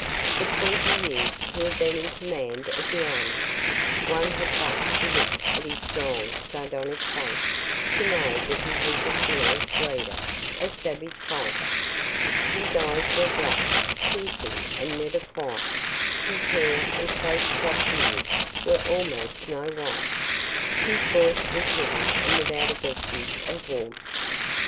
For twenty years he had been in command of the army. One had but to look at his strong, sardonic face to know that he was a fearless leader, a savage fighter. His eyes were black, piercing and never quiet; his hair and close cropped beard were almost snow white; his voice was heavy and without a vestige of warmth.